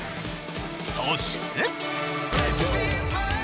そして。